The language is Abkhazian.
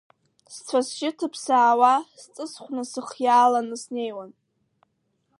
Сцәа-сжьы ҭыԥсаауа, сҵысхәны сыхиааланы снеиуан…